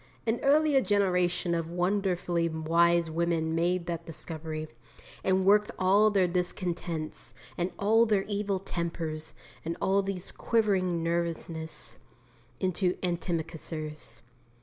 An earlier generation of wonderfully wise women made that discovery, and worked all their discontents, and all their evil tempers, and all their quivering nervousness into antimacassars.